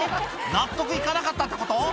納得いかなかったってこと？